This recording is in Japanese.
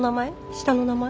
下の名前？